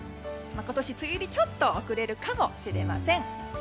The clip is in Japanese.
今年梅雨入りちょっと遅れるかもしれません。